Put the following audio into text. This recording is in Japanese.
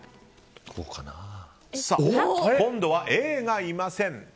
今度はＡがいません。